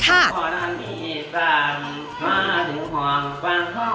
ขอด้านนี้ตามมาถูกความฟังข้องพ่อเองอย่างน้อย